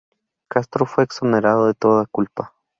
Castro fue exonerado de toda culpa.